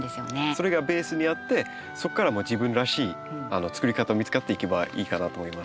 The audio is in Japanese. それがベースにあってそこから自分らしいつくり方見つかっていけばいいかなと思います。